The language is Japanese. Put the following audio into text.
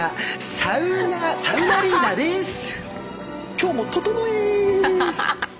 今日もととのえ！